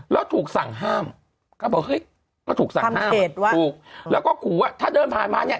แล้วถูกสั่งห้ามก็บอกเฮ้ยก็ถูกสั่งห้ามถูกแล้วก็ขู่ว่าถ้าเดินผ่านมาเนี่ย